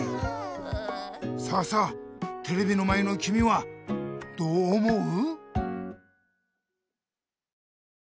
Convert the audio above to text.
さあさあテレビの前のきみはどう思う？